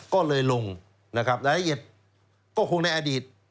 ก็เลยลงแต่ละเอียดก็คงในอดีต